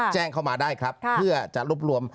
แจ้งเข้ามาได้ครับเพื่อจะรวบรวม